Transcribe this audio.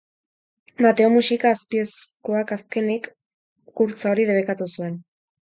Mateo Muxika apezpikuak, azkenik, gurtza hori debekatu zuen.